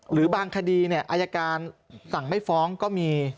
หรือบางคดีอายการสั่งไม่ฟ้องก็มี